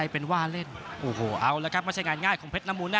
สวัสดีครับ